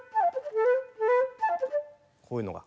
こういうのが。